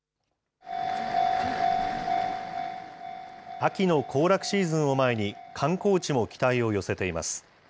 秋の行楽シーズンを前に、観光地も期待を寄せています。